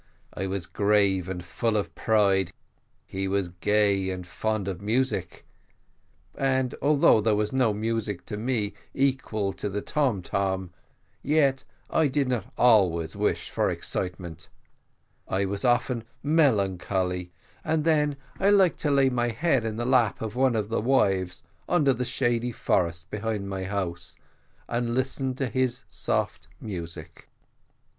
I was grave and full of pride, he was gay and fond of music; and although there was no music to me equal to the tom tom, yet I did not always wish for excitement. I often was melancholy, and then I liked to lay my head in the lap of one of my wives, under the shady forest behind my house, and listen to his soft music.